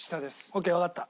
オッケーわかった。